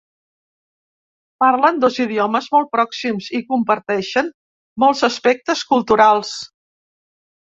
Parlen dos idiomes molt pròxims i comparteixen molts aspectes culturals.